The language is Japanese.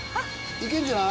いけるんじゃない？